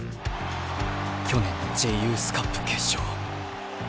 去年のＪユースカップ決勝。